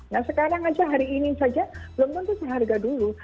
nah sekarang saja hari ini saja belum tentu seharga dulu